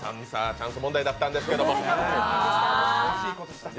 チャンス問題だったんですけど。